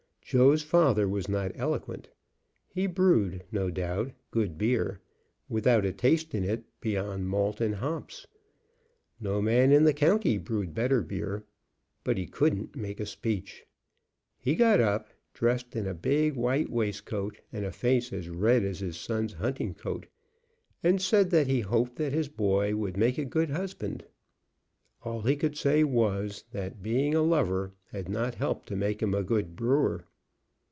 Joe's father was not eloquent. He brewed, no doubt, good beer, without a taste in it beyond malt and hops; no man in the county brewed better beer; but he couldn't make a speech. He got up, dressed in a big white waistcoat, and a face as red as his son's hunting coat, and said that he hoped his boy would make a good husband. All he could say was, that being a lover had not helped to make him a good brewer.